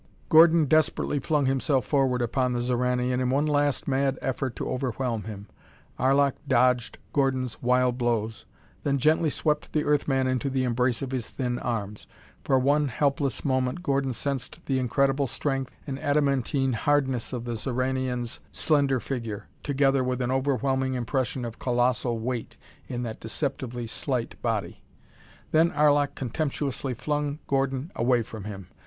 Gordon desperately flung himself forward upon the Xoranian in one last mad effort to overwhelm him. Arlok dodged Gordon's wild blows, then gently swept the Earth man into the embrace of his thin arms. For one helpless moment Gordon sensed the incredible strength and adamantine hardness of the Xoranian's slender figure, together with an overwhelming impression of colossal weight in that deceptively slight body. Then Arlok contemptuously flung Gordon away from him.